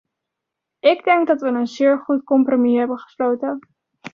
Ik denk dat we een zeer goed compromis hebben gesloten.